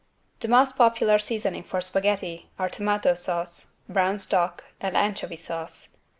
The most popular seasoning for spaghetti, are tomato sauce, brown stock and anchovy sauce.